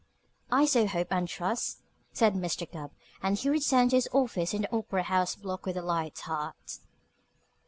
"I so hope and trust," said Mr. Gubb, and he returned to his office in the Opera House Block with a light heart.